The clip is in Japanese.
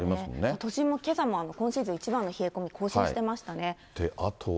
都心もけさも今シーズン一番の冷え込み、更新してましたね。